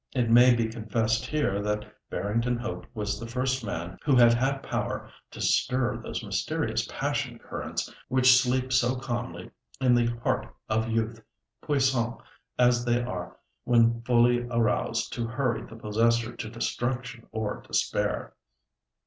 It may be confessed here that Barrington Hope was the first man who had had power to stir those mysterious passion currents which sleep so calmly in the heart of youth, puissant as they are when fully aroused to hurry the possessor to destruction or despair.